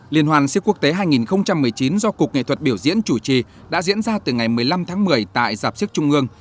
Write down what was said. liên hoàn siếc quốc tế hai nghìn một mươi chín do cục nghệ thuật biểu diễn chủ trì đã diễn ra từ ngày một mươi năm tháng một mươi tại giạp siếc trung ương